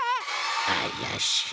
あやしい。